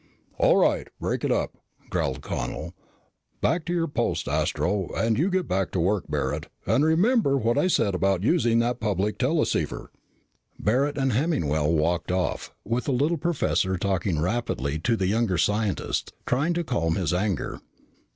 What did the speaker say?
"All right, break it up," growled Connel. "Back to your post, Astro. And you get back to work, Barret, and remember what I said about using that public teleceiver." Barret and Hemmingwell walked off, with the little professor talking rapidly to the younger scientist, trying to calm his anger.